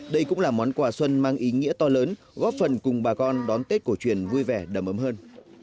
đây cũng là món quà xuân mang ý nghĩa to lớn góp phần cùng bà con đón tết cổ truyền vui vẻ đầm ấm hơn